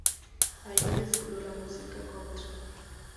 Allí descubrió la música country.